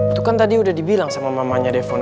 itu kan tadi udah dibilang sama mamanya devan